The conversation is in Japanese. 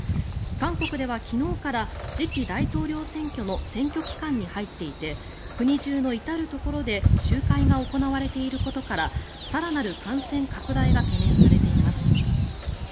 韓国では昨日から次期大統領選挙の選挙期間に入っていて国中の至るところで集会が行われていることから更なる感染拡大が懸念されています。